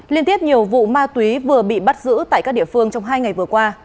liên tiếp nhiều vụ ma túy vừa bị bắt giữ tại các địa phương trong hai ngày vừa qua